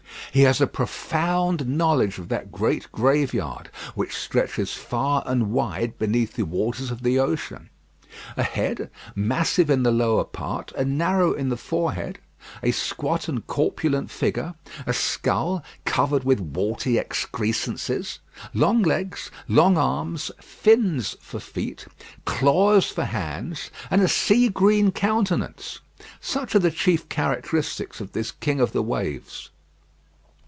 He has a profound knowledge of that great graveyard which stretches far and wide beneath the waters of the ocean. A head, massive in the lower part and narrow in the forehead; a squat and corpulent figure; a skull, covered with warty excrescences; long legs, long arms, fins for feet, claws for hands, and a sea green countenance; such are the chief characteristics of this king of the waves.